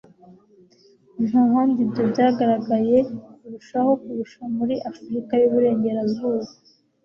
Nta handi ibyo byagaragaye kurushaho kurusha muri Afurika y'uburengerazuba